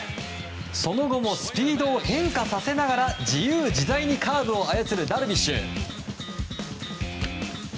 その後もスピードを変化させながら自由自在にカーブを操るダルビッシュ。